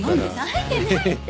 泣いてないって。